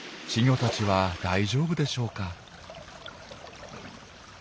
稚魚たちは大丈夫でしょうか？